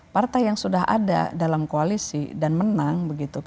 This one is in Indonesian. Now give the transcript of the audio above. partai yang sudah ada dalam koalisi dan menang